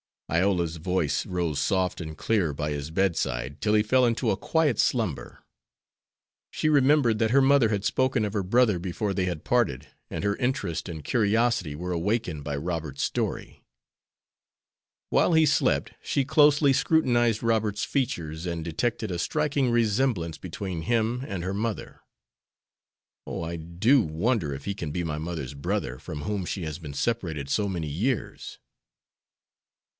Iola's voice rose soft and clear by his bedside, till he fell into a quiet slumber. She remembered that her mother had spoken of her brother before they had parted, and her interest and curiosity were awakened by Robert's story. While he slept, she closely scrutinized Robert's features, and detected a striking resemblance between him and her mother. "Oh, I do wonder if he can be my mother's brother, from whom she has been separated so many years!"